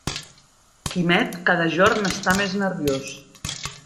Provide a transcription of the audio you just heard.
Quimet cada jorn està més nerviós.